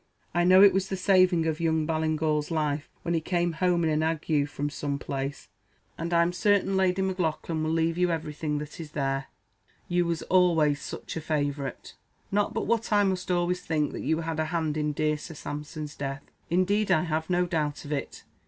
I know it was the saving of young Ballingall's life, when he came home in an ague from some place; and I'm certain Lady Maclaughlan will leave you everything that is there, you was always such a favourite. Not but what I must always think that you had a hand in dear Sir Sampson's death. Indeed, I have no doubt of it.